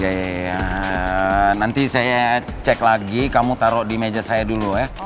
ya ya ya nanti saya cek lagi kamu taruh di meja saya dulu ya